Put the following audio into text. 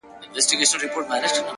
د سړک اوږدوالی د فکر تګ ورو کوي!.